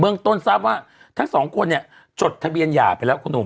เมืองต้นทราบว่าทั้งสองคนเนี่ยจดทะเบียนหย่าไปแล้วคุณหนุ่ม